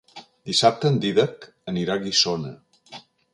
Dissabte en Dídac anirà a Guissona.